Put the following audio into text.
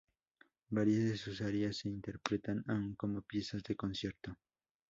Varias de sus arias se interpretan aún como piezas de concierto.